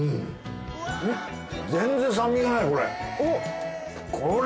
全然酸味がないこれ。